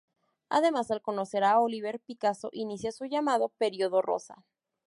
Además, al conocer a Olivier, Picasso inicia su llamado Periodo Rosa.